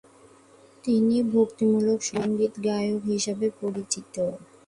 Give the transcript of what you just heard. তিনি ভক্তিমূলক সংগীত গায়ক হিসাবেও পরিচিত।